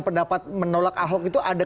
pendapat menolak ahok itu ada